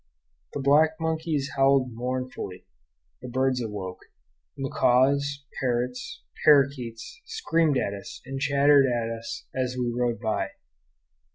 The black monkeys howled mournfully. The birds awoke. Macaws, parrots, parakeets screamed at us and chattered at us as we rode by.